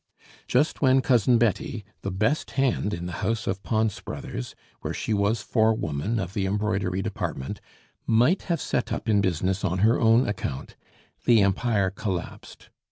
Just when Cousin Betty, the best hand in the house of Pons Brothers, where she was forewoman of the embroidery department, might have set up in business on her own account, the Empire collapsed.